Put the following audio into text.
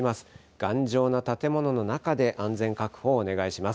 頑丈な建物の中で安全確保をお願いします。